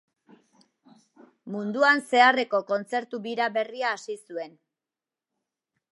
Munduan zeharreko kontzertu bira berria hasi zuen.